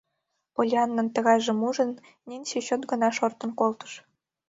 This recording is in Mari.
Поллианнан тыгайжым ужын, Ненси чот гына шортын колтыш.